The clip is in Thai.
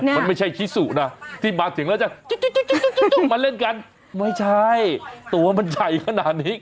มันไม่ใช่ชิสุนะที่มาถึงแล้วจะมาเล่นกันไม่ใช่ตัวมันใหญ่ขนาดนี้